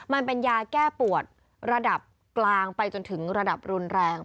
มันเป็นยาแก้ปวดระดับกลางไปจนถึงระดับรุนแรง